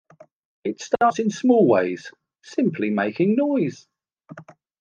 It starts in small ways, simply making noise.